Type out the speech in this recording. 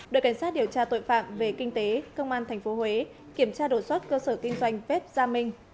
đội cảnh sát điều tra tội phạm về kinh tế công an tp huế kiểm tra đột xuất cơ sở kinh doanh bếp gia minh